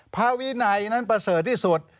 ภาวินัยนั้นประเสริฐที่สุด